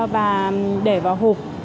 và để vào hộp